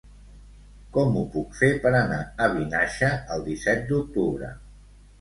Com ho puc fer per anar a Vinaixa el disset d'octubre?